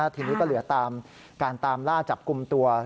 ทีนี้ก็เหลือตามการตามล่าจับกลุ่มตัว